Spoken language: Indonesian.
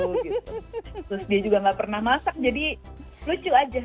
terus dia juga gak pernah masak jadi lucu aja